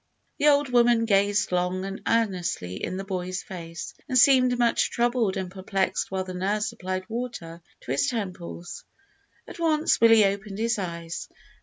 The old woman gazed long and earnestly in the boy's face, and seemed much troubled and perplexed while the nurse applied water to his temples. At last Willie opened his eyes.